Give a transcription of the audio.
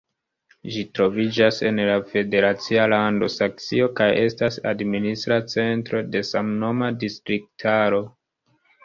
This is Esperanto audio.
Ĝi troviĝas en la federacia lando Saksio kaj estas administra centro de samnoma distriktaro.